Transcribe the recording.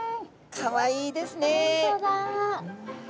かわいいですね。